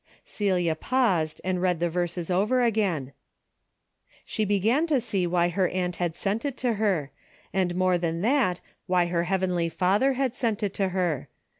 " Celia paused and read the verses over again. She began to see why her aunt had sent it to her, and more than that why her heavenly Father had sent it to her.